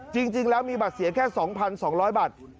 จริงแล้วมีบัตรเสียแค่๒๒๐๐บาท